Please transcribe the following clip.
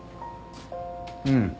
うん。